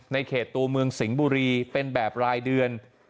เขตตัวเมืองสิงห์บุรีเป็นแบบรายเดือน